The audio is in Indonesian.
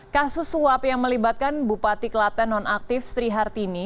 kasus suap yang melibatkan bupati kelaten nonaktif sri hartini